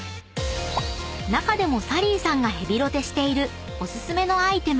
［中でもサリーさんがヘビロテしているおすすめのアイテム